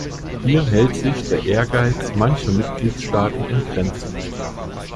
Hier hält sich der Ehrgeiz mancher Mitgliedstaaten in Grenzen.